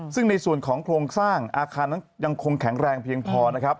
ซึ่งในส่วนของโครงสร้างอาคารนั้นยังคงแข็งแรงเพียงพอนะครับ